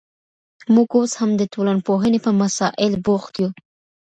موږ اوس هم د ټولنپوهني په مسائل بوخت یو.